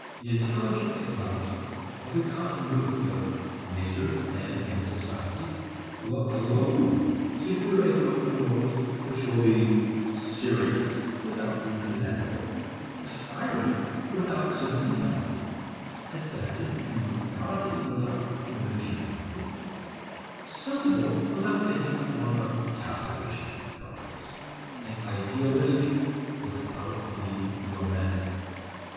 The intelligent acknowledgment of the continuity of nature, man and society will alone secure a growth of morals which will be serious without being fanatical, aspiring without sentimentality, adapted to reality without conventionality, sensible without taking the form of calculation of profits, idealistic without being romantic.